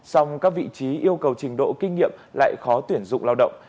song các vị trí yêu cầu trình độ kinh nghiệm lại khó tuyển dụng lao động